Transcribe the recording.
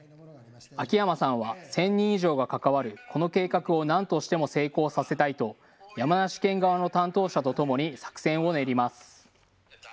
秋山さんは１０００人以上が関わるこの計画をなんとしても成功させたいと山梨県側の担当者とともに作戦を練ります。